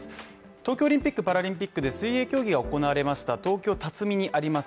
東京オリンピックパラリンピックで水泳競技が行われました東京辰巳にあります